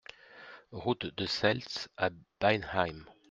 Route de Seltz à Beinheim